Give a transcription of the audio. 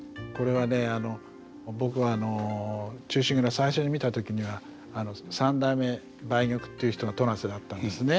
最初に見た時には三代目梅玉っていう人が戸無瀬だったんですね。